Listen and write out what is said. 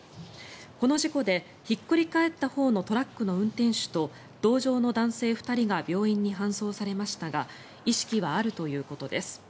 この事故でひっくり返ったほうのトラックの運転手と同乗の男性２人が病院に搬送されましたが意識はあるということです。